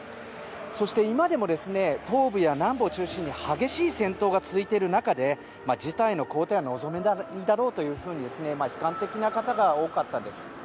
そして今でも東部や南部を中心に激しい戦闘が続いている中で事態の好転は望めないだろうというふうに悲観的な方が多かったです。